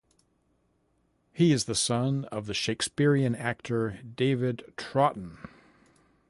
He is the son of the Shakespearean actor David Troughton.